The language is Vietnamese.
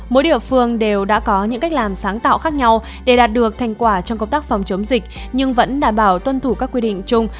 mỗi địa phương đều đã có những cách làm sáng tạo khác nhau để đạt được thành quả trong công tác phòng chống dịch nhưng vẫn đảm bảo tuân thủ các quy định chung